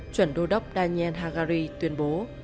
chuẩn đô đốc daniel hagari tuyên bố